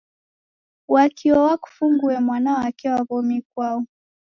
Wakio wakufungue mwana wake wa wo'mi ikwau